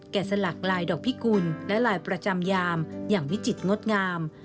สลักลายดอกพิกุลและลายประจำยามอย่างวิจิตรงดงาม